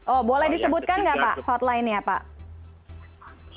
oh boleh disebutkan nggak pak hotline nya pak